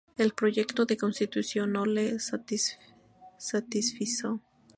El proyecto de Constitución no le satisfizo.